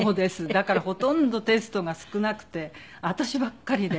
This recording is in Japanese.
だからほとんどテストが少なくて私ばっかりで。